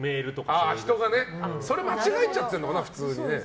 それ間違えちゃってるのかな。